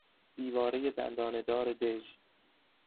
دیوارهی دندانه دار دژ